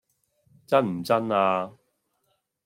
真唔真呀